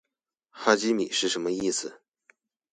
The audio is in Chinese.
哈基米是什么意思？